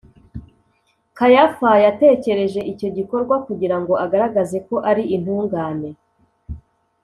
kayafa yatekereje icyo gikorwa kugira ngo agaragaze ko ari intungane